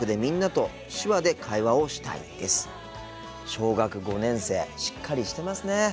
小学５年生しっかりしてますね。